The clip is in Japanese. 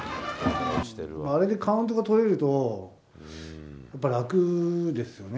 あれでカウントが取れると、やっぱり楽ですよね。